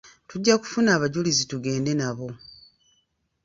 Tujja kufuna abajulizi tugende nabo.